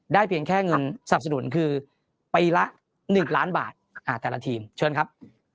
เพียงแค่เงินสนับสนุนคือปีละ๑ล้านบาทแต่ละทีมเชิญครับ